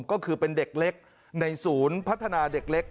ก็คือเป็นเด็กเล็กในศูนย์พัฒนาเด็กเล็ก